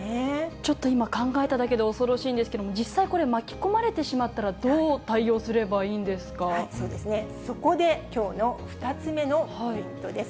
ちょっと今、考えただけで恐ろしいんですけれども、実際、これ巻き込まれてしまったら、そうですね、そこできょうの２つ目のポイントです。